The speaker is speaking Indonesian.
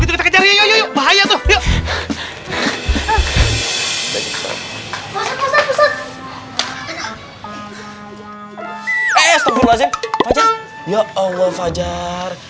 yaudah kalau gitu kita kejar